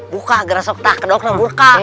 buka gara gara sok teh kedokter buka